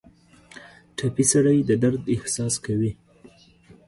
ټپي سړی د درد احساس کوي.